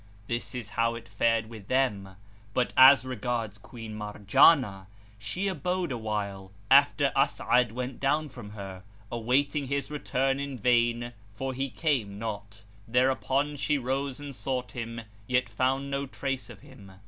This is how it fared with them; but as regards Queen Marjanah, she abode awhile, after As'ad went down from her, awaiting his return in vain for he came not; thereupon she rose and sought him, yet found no trace of him.